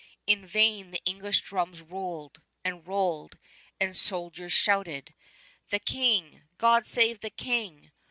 In vain the English drums rolled ... and rolled ... and soldiers shouted, "The King! God save the King!"